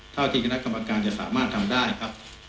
เท่าที่คณะกรรมการจะสามารถทำได้ครับ